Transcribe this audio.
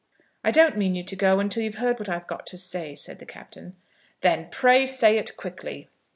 "I don't mean you to go till you've heard what I've got to say," said the Captain. "Then, pray say it quickly."